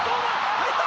入った！